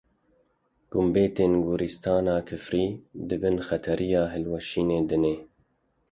Gumbetên Goristana Kifrî di bin xetereya hilweşînê de ne.